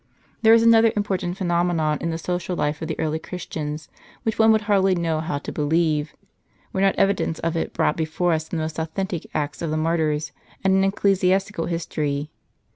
There is another important phenomenon in the social life of the early Christians, which one would hardly know how to believe, were not evidence of it brought before us in the most authentic Acts of the martyrs, and in ecclesiastical history.